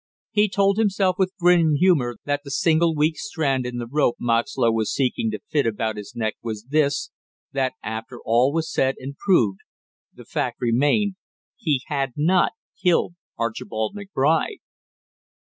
He told himself with grim humor that the single weak strand in the rope Moxlow was seeking to fit about his neck was this, that after all was said and proved, the fact remained, he had not killed Archibald McBride!